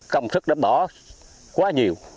công sức đã bỏ quá nhiều